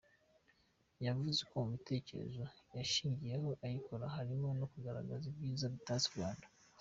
Yavuze ko mu bitekerezo yashingiyeho ayikora harimo no kugaragaza ibyiza bitatse u Rwanda.